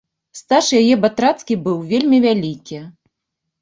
Стаж яе батрацкі быў вельмі вялікі.